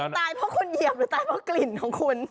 ตายเพราะคุณเหยียบหรือตายเพราะกลิ่นของคุณ